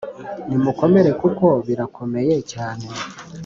Nimukomere kuko birakomeye cyane